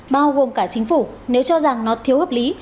bao gồm cả chính phủ nếu cho rằng nó thiếu hợp lý